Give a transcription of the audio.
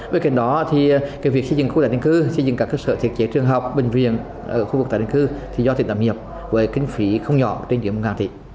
với kinh đó thì việc xây dựng khu tài tình cư xây dựng các cơ sở thiết chế trường học bệnh viện ở khu vực tài tình cư thì do tình tạm hiệp với kinh phí không nhỏ trên những một tỷ